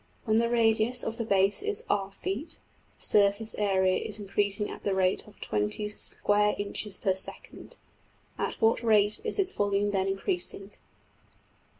When the radius of the base is $r$~feet, the surface area is increasing at the rate of $20$~square inches per~second; at what rate is its volume then increasing?